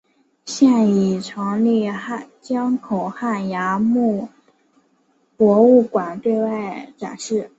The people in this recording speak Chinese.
现已成立江口汉崖墓博物馆对外展示。